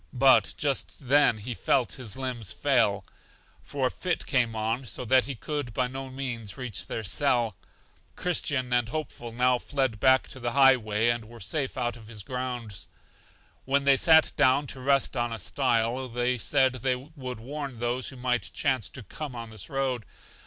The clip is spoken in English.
But just then he felt his limbs fail, for a fit came on him, so that he could by no means reach their cell. Christian and Hopeful now fled back to the high way, and were safe out of his grounds. When they sat down to rest on a stile, they said they would warn those who might chance to come on this road.